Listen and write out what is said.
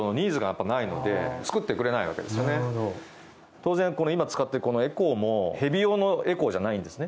当然、今使っているこのエコーも蛇用のエコーじゃないんですね。